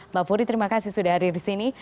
mbak puri terima kasih sudah hadir di sini